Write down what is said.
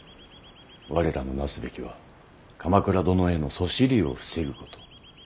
我らのなすべきは鎌倉殿へのそしりを防ぐこと。